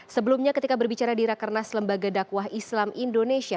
sebelumnya ketika berbicara di rakernas lembaga dakwah islam indonesia